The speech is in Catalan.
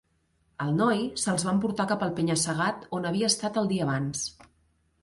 El noi se'ls va emportar cap al penya-segat on havia estat el dia abans.